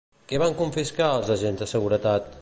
Què van confiscar, els agents de seguretat?